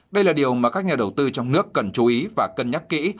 đây là điều mà các nhà đầu tư trong nước cần chú ý và cân nhắc kỹ